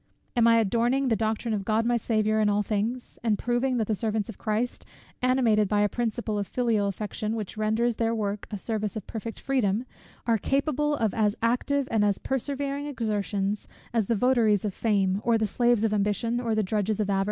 Am I 'adorning the doctrine of God my Saviour in all things;' and proving that the servants of Christ, animated by a principle of filial affection, which renders their work a service of perfect freedom, are capable of as active and as persevering exertions, as the votaries of fame, or the slaves of ambition, or the drudges of avarice?"